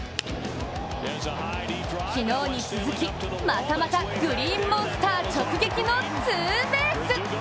昨日に続き、またまたグリーンモンスター直撃のツーベース。